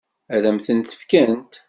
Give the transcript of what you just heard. Ad m-ten-fkent?